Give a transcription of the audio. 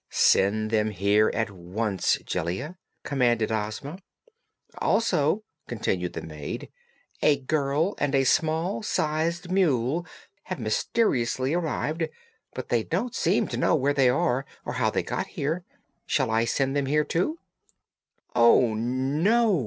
"Send them here at once, Jellia!" commanded Ozma. "Also," continued the maid, "a girl and a small sized mule have mysteriously arrived, but they don't seem to know where they are or how they came here. Shall I send them here, too?" "Oh, no!"